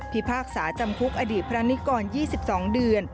พากษาจำคุกอดีตพระนิกร๒๒เดือน